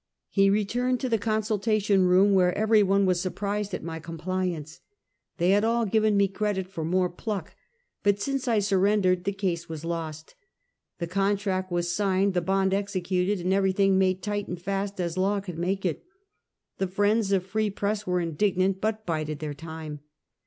He returned to the consultation room, where every one was surprised at my compliance. They had all given me credit for more pluck, but since I surren dered, the case was lost. The contract was signed, the bond executed, and everything made tight and fast as law could make it. The friends of free press were indignant, but bided their time.